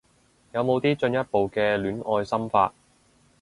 有冇啲進一步嘅戀愛心法